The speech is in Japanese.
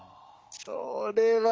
それはね